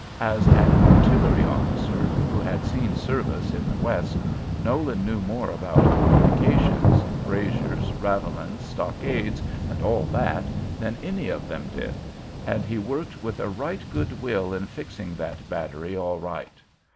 [Note 9] As an artillery officer, who had seen service in the West, Nolan knew more about fortifications, embrasures, ravelins, stockades, and all that, than any of them did; and he worked with a right good will in fixing that battery all right.